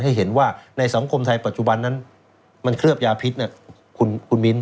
ให้เห็นว่าในสังคมไทยปัจจุบันนั้นมันเคลือบยาพิษเนี่ยคุณมิ้น